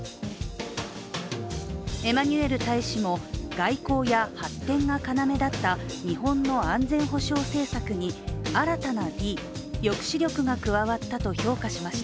エマニュエル大使も外交や発展が要だった日本の安全保障政策に新たなＤ、抑止力が加わったと評価しました。